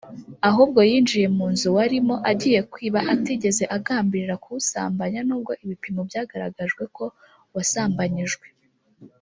ahubwo yinjiye mu nzu warimo agiye kwiba atigeze agambirira kuwusambanya nubwo ibipimo byagaragajwe ko wasambanyijwe